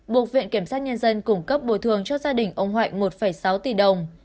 buộc viện kiểm sát nhân dân cung cấp bồi thường cho gia đình ông hạnh một sáu tỷ đồng